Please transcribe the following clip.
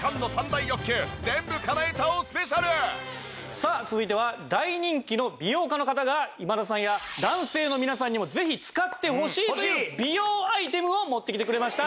さあ続いては大人気の美容家の方が今田さんや男性の皆さんにもぜひ使ってほしいという美容アイテムを持ってきてくれました。